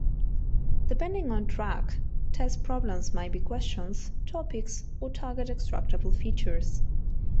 Depending on track, test problems might be questions, topics, or target extractable features.